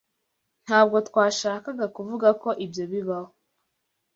Ntabwo twashakaga kuvuga ko ibyo bibaho.